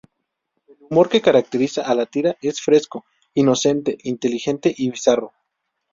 El humor que caracteriza a la tira es fresco, inocente, inteligente y bizarro.